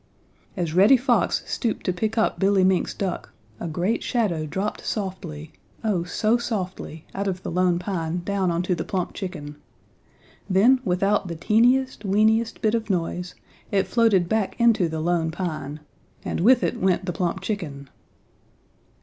As Reddy Fox stooped to pick up Billy Mink's duck, a great shadow dropped softly, oh so softly, out of the Lone Pine down onto the plump chicken. Then without the teeniest, weeniest bit of noise, it floated back into the Lone Pine and with it went the plump chicken.